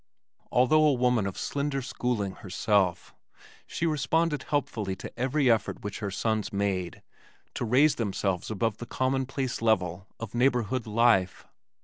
Although a woman of slender schooling herself, she responded helpfully to every effort which her sons made to raise themselves above the commonplace level of neighborhood life.